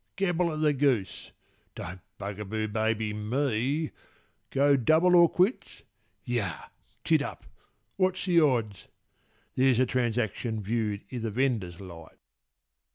Gabble o' the goose. Don't bugaboo baby me! Go double or quits? Yah! tittup! what's the odds?" There's the transaction view'd i' the vendor's light.